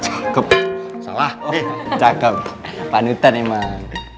cukup salah cukup panutan emang